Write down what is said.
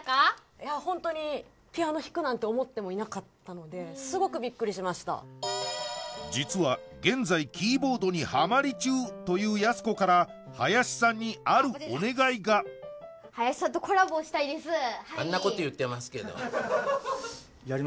いやホントにピアノ弾くなんて思ってもいなかったのですごくビックリしました実はというやす子から林さんにあるお願いがはいあんなこと言ってますけどホント？